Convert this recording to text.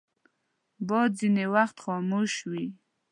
باد ځینې وخت خاموش وي